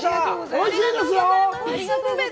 おいしいですよ。